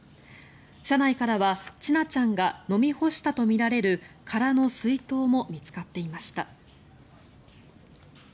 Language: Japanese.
車内からは千奈ちゃんが飲み干したとみられる空の水筒も見つかっていました。